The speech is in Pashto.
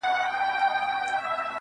اوس دي لا د حسن مرحله راغلې نه ده~